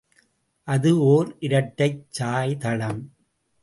அது ஒர் இரட்டைச் சாய்தளம்.